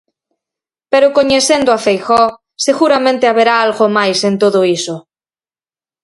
Pero, coñecendo a Feijóo, seguramente haberá algo máis en todo iso.